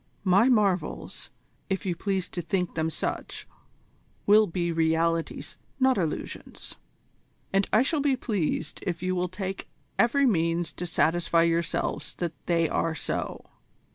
My marvels, if you please to think them such, will be realities, not illusions; and I shall be pleased if you will take every means to satisfy yourselves that they are so.